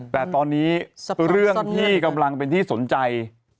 แต่ตอนนี้เรื่องที่กำลังเป็นที่สนใจ